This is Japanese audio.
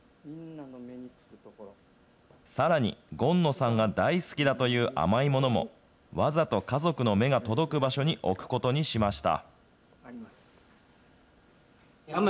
さらに、權野さんが大好きだという甘いものも、わざと家族の目が届く場所に置くことにしました。